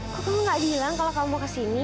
kok kamu gak bilang kalau kamu mau kesini